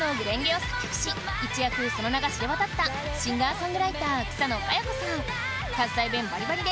一躍その名が知れ渡ったシンガーソングライター草野華余子さん